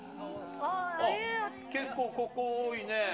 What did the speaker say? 結構、ここ多いね。